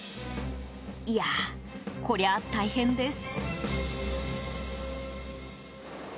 いやあ、こりゃ大変です。